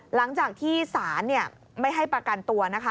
หลังจากที่ศาลไม่ให้ประกันตัวนะคะ